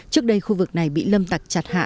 trước đây khu vực này bị lâm tặc chặt hạ